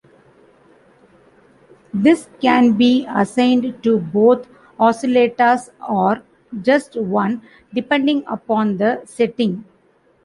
This can be assigned to both oscillators or just one, depending upon the setting.